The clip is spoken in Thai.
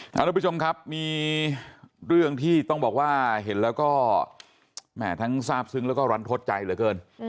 ท่านผู้ชมครับมีเรื่องที่ต้องบอกว่าเห็นแล้วก็แหม่ทั้งทราบซึ้งแล้วก็รันทดใจเหลือเกิน